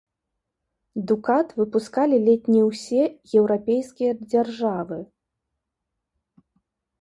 Дукат выпускалі ледзь не ўсе еўрапейскія дзяржавы.